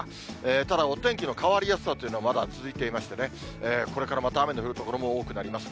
ただ、お天気の変わりやすさというのはまだ続いていましてね、これからまた雨の降る所も多くなります。